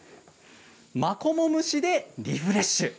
マコモ蒸しでリフレッシュ。